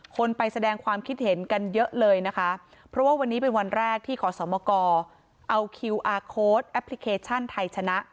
คนไปแสดงความคิดเห็นกันเยอะเลยนะคะเพราะว่าวันนี้เป็นวันแรกที่ขอสมกเอาคิวอาร์โค้ดแอปพลิเคชันไทยชนะ